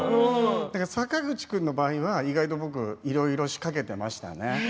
だから坂口君の場合は意外と僕いろいろ仕掛けていましたね。